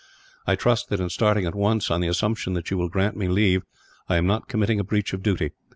I trust that in starting at once, on the assumption that you will grant me leave, I am not committing a breach of duty.